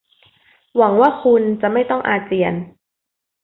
หวังว่าคุณจะไม่ต้องอาเจียน